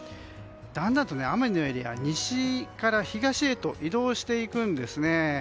だんだんと雨のエリアが西から東へと移動していくんですね。